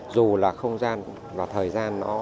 dù là không gian và thời gian